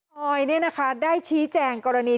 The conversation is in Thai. พลอยนี่นะคะได้ชี้แจงกรณี